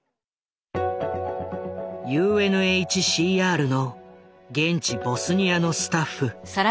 ＵＮＨＣＲの現地ボスニアのスタッフ。